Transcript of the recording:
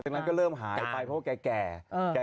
ถึงก็เริ่มหายไปก็เพราะว่าแก่